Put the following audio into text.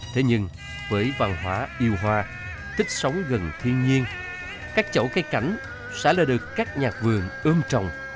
thế nhưng với văn hóa yêu hoa thích sống gần thiên nhiên các chậu cây cảnh sẽ là được các nhà vườn ươm trồng